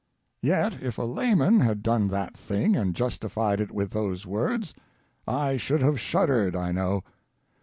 Yet, if a layman had done that thing and justified it with those words, I should have shud dered, I know.